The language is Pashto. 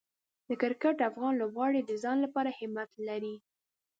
د کرکټ افغان لوبغاړي د ځان لپاره همت لري.